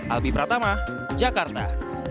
albi pratama jakarta